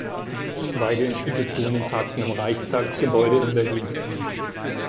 Beide Institutionen tagten im Reichstagsgebäude in Berlin.